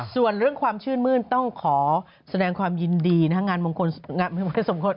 ส่วนเรื่องความชื่นมื้นต้องขอแสดงความยินดีงานมงคลงานสมควร